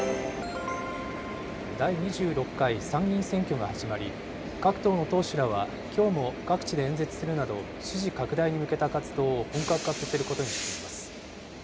第２６回参議院選挙が始まり、各党の党首らは、きょうも各地で演説するなど、支持拡大に向けた活動を本格化させることにしています。